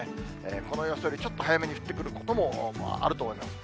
この予想よりちょっと早めに降ってくることもあると思います。